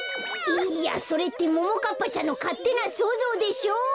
いいやそれってももかっぱちゃんのかってなそうぞうでしょ！